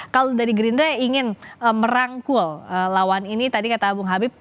kalau dari gerindra ingin merangkul lawan ini tadi kata bung habib